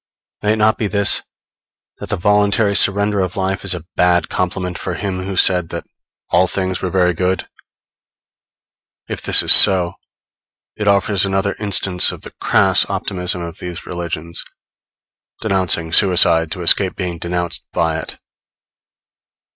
May it not be this that the voluntary surrender of life is a bad compliment for him who said that all things were very good? If this is so, it offers another instance of the crass optimism of these religions, denouncing suicide to escape being denounced by it.